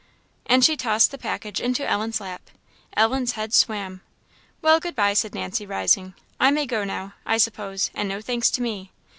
And she tossed the package into Ellen's lap. Ellen's head swam. "Well, good bye!" said Nancy, rising; "I may go now, I suppose, and no thanks to me."